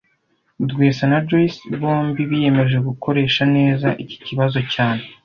Rwesa na Joyce bombi biyemeje gukoresha neza iki kibazo cyane